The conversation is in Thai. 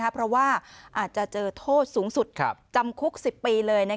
เพราะว่าอาจจะเจอโทษสูงสุดจำคุก๑๐ปีเลย